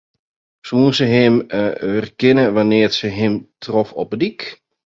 Soe se him werkenne wannear't se him trof op de dyk?